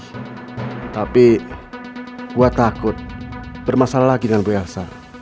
tetapi saya takut untuk lagi bermasalah dengan bu elsa